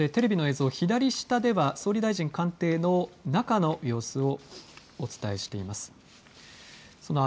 そして、テレビの映像左下では総理大臣官邸の中の様子をお伝えしています。